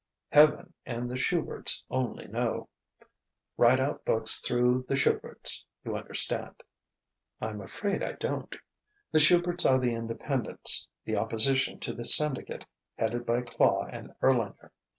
"Heaven and the Shuberts only know. Rideout books through the Shuberts, you understand." "I'm afraid I don't." "The Shuberts are the Independents the opposition to the Syndicate headed by Klaw and Erlanger.